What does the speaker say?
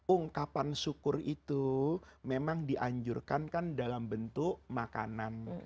ungkapan syukur itu memang dianjurkan kan dalam bentuk makanan